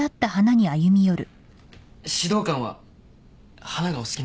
指導官は花がお好きなんですか？